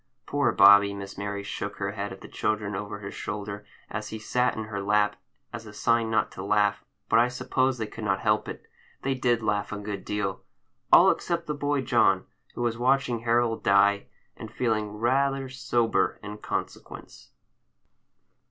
Poor Bobby! Miss Mary shook her head at the children over his shoulder, as he sat in her lap, as a sign not to laugh, but I suppose they could not help it. They did laugh a good deal,—all except the boy John, who was watching Harold die, and feeling rather sober in consequence.